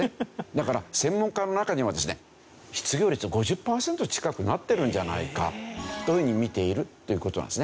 だから専門家の中にはですね失業率５０パーセント近くなってるんじゃないかというふうに見ているという事なんですね。